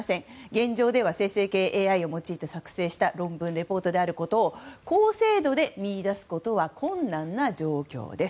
現状では生成系ＡＩを用いて作成した論文、レポートなどを高精度で見いだすことは困難な状況です。